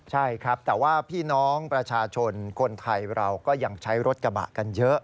ใช่ครับแต่ว่าพี่น้องประชาชนคนไทยเราก็ยังใช้รถกระบะกันเยอะ